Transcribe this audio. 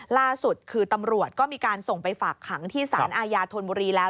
ล่าสุดคือตำรวจก็มีการส่งไปฝากขังที่สารอาญาธนบุรีแล้ว